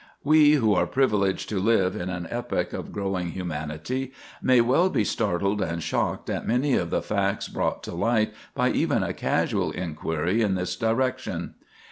We who are privileged to live in an epoch of growing humanity may well be startled and shocked at many of the facts brought to light by even a casual inquiry in this direction.